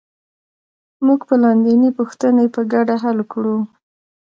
موږ به لاندینۍ پوښتنې په ګډه حل کړو